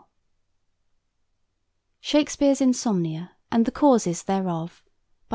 ] SHAKESPEARE'S INSOMNIA, AND THE CAUSES THEREOF. I.